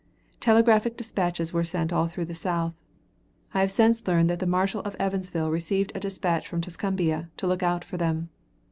Telegraphic dispatches were sent all through the South. I have since learned that the Marshall of Evansville received a dispatch from Tuscumbia, to look out for them.